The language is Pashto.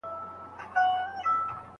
د کور کارونه هیڅکله پای ته نه رسیږي.